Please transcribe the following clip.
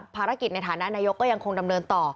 ภารกิจในฐานะนายกก็ยังคงดำเนินต่อ